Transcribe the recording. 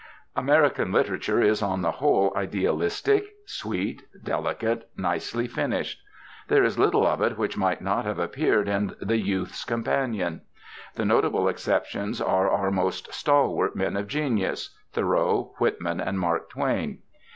American literature is on the whole idealistic, sweet, delicate, nicely finished. There is little of it which might not have appeared in the Youth's Companion. The notable exceptions are our most stalwart men of genius, Thoreau, Whitman, and Mark Twain.